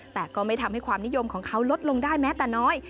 แต่ก็ไม่ทำให้ความนิยมของเขาลดลงได้แม้แต่น้อย